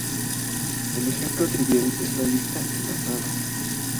El ejemplo trivial es la lista enlazada.